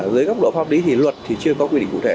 dưới góc độ pháp lý thì luật thì chưa có quy định cụ thể